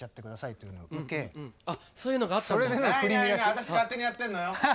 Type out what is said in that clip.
私勝手にやってんのよ。